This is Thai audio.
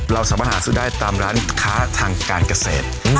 เราสามารถหาซื้อได้ตามร้านค้าทางการเกษตร